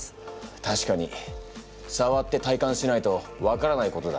たしかにさわって体感しないと分からないことだ。